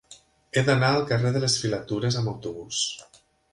He d'anar al carrer de les Filatures amb autobús.